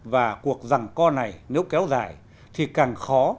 và cuộc rằng co này nếu kéo dài thì càng khó